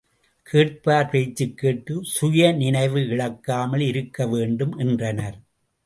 கேட்பார் பேச்சுக்கேட்டு சுயநினைவு இழக்காமல் இருக்க வேண்டும் என்றனர்.